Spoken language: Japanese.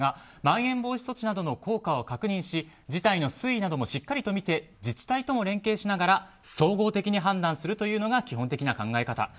まん延防止措置などの効果を確認し事態の推移などもしっかりと見て自治体とも連携しながら総合的に判断するというのが基本的な考え方。